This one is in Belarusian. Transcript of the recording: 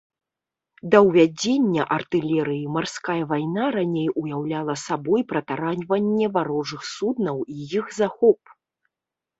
Да ўвядзення артылерыі марская вайна раней уяўляла сабой пратараньванне варожых суднаў і іх захоп.